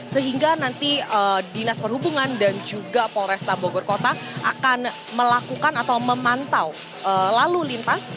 sehingga nanti dinas perhubungan dan juga polresta bogor kota akan melakukan atau memantau lalu lintas